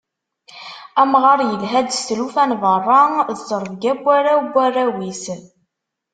Amɣar, yelha-d s tlufa n berra d trebga n warraw n warraw-is.